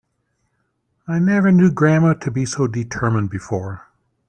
I never knew grandma to be so determined before.